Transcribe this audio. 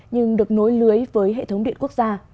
nhưng được nối lưới với hệ thống điện quốc gia